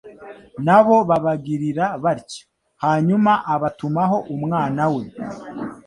na bo babagirira batyo. Hanyuma abatumaho Umwana we,